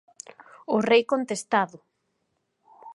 O rei contestado.